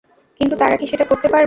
কিন্তু তারা কি সেটা করতে পারবে?